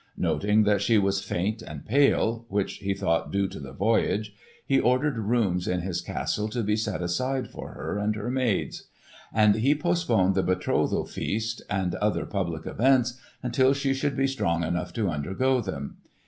Noting that she was faint and pale, which he thought due to the voyage, he ordered rooms in his castle to be set aside for her and her maids; and he postponed the betrothal feast and other public events until she should be strong enough to undergo them.